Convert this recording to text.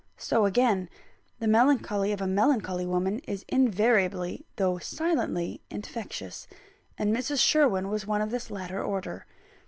So, again, the melancholy of a melancholy woman is invariably, though silently, infectious; and Mrs. Sherwin was one of this latter order.